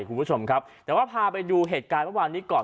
คุณผู้ชมครับแต่ว่าพาไปดูเหตุการณ์เมื่อวานนี้ก่อน